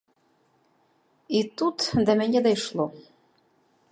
І тут да мяне дайшло.